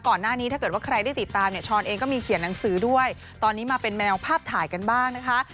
ถ้าเกิดว่าใครได้ติดตามเนี่ยช้อนเองก็มีเขียนหนังสือด้วยตอนนี้มาเป็นแมวภาพถ่ายกันบ้างนะคะ